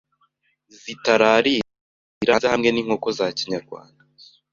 zitararira, zivanze hamwe n’inkoko za kinyarwanda